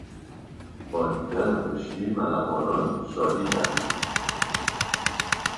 با دیدن خشکی ملوانان شادی کردند.